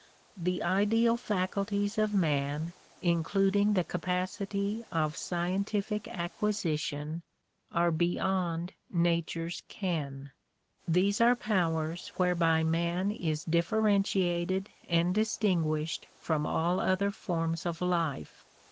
The ideal faculties of man, including the capacity of scien tific acquisition are beyond nature's ken. These are powers whereby man is differentiated and distinguished from all other forms of life.